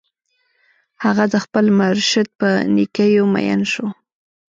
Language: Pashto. هغه د خپل مرشد په نېکیو مین شو